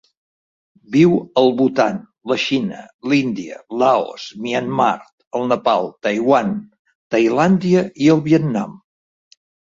Viu al Bhutan, la Xina, l'Índia, Laos, Myanmar, el Nepal, Taiwan, Tailàndia i el Vietnam.